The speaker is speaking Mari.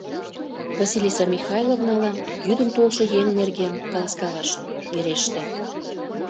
Василиса Михайловналан йӱдым толшо еҥ нерген каласкалаш вереште.